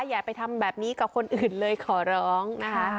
อย่าไปทำแบบนี้กับคนอื่นเลยขอร้องนะคะ